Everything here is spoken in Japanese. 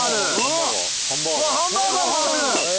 うわっハンバーガーも。